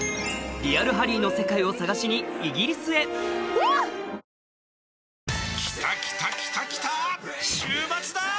リアルハリーの世界を探しにイギリスへきたきたきたきたー！